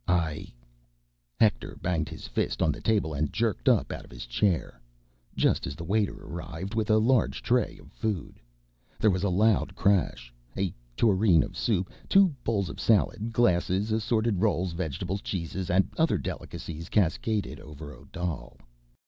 "I—" Hector banged his fist on the table and jerked up out of his chair—just as the waiter arrived with a large tray of food. There was a loud crash. A tureen of soup, two bowls of salad, glasses, assorted rolls, vegetables, cheeses and other delicacies cascaded over Odal.